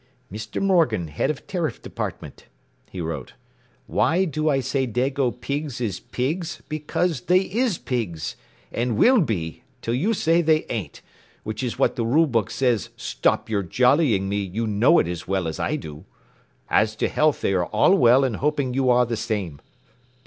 “Mr. Morgan, Head of Tariff Department,” he wrote. “Why do I say dago pigs is pigs because they is pigs and will be til you say they ain't which is what the rule book says stop your jollying me you know it as well as I do. As to health they are all well and hoping you are the same.